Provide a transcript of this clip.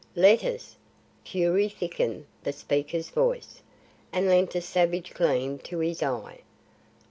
"Letters!" Fury thickened the speaker's voice, and lent a savage gleam to his eye.